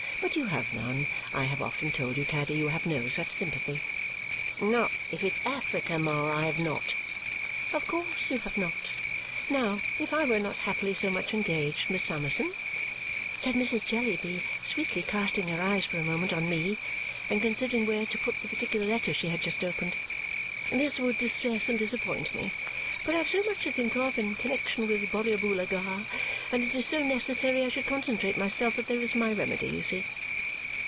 But you have none. I have often told you, Caddy, you have no such sympathy." "Not if it's Africa, Ma, I have not." "Of course you have not. Now, if I were not happily so much engaged, Miss Summerson," said Mrs. Jellyby, sweetly casting her eyes for a moment on me and considering where to put the particular letter she had just opened, "this would distress and disappoint me. But I have so much to think of, in connexion with Borrioboola Gha and it is so necessary I should concentrate myself that there is my remedy, you see."